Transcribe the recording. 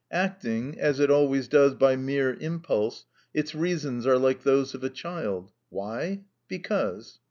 Acting, as it always does, by mere impulse, its reasons are like those of a child. "Why?" "Because."